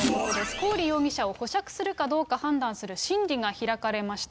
コーリ容疑者を保釈するかどうかの判断する審理が開かれました。